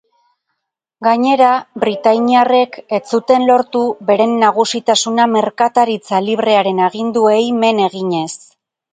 Gainera, britainiarrek ez zuten lortu beren nagusitasuna merkataritza librearen aginduei men eginez.